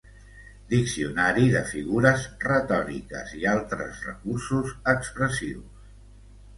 Diccionari de figures retòriques i altres recursos expressius.